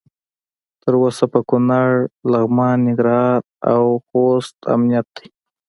تر اوسه په کنړ، لغمان، ننګرهار او خوست امنیت دی.